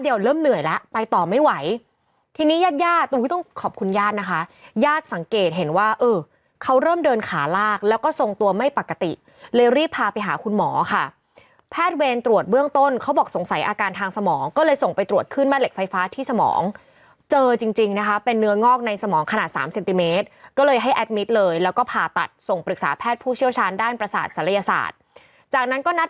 ญาติสังเกตเห็นว่าเออเขาเริ่มเดินขาลากแล้วก็ทรงตัวไม่ปกติเลยรีบพาไปหาคุณหมอค่ะแพทย์เวรตรวจเบื้องต้นเขาบอกสงสัยอาการทางสมองก็เลยส่งไปตรวจขึ้นแม่เหล็กไฟฟ้าที่สมองเจอจริงนะคะเป็นเนื้องอกในสมองขนาด๓เซนติเมตรก็เลยให้แอดมิตเลยแล้วก็ผ่าตัดส่งปรึกษาแพทย์ผู้เชี่ยวชาญด้